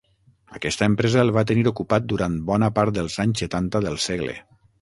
Aquesta empresa el va tenir ocupat durant bona part dels anys setanta del segle.